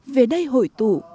về đây hội tụ